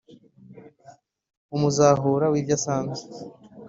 umuzahura w’ibyo asanze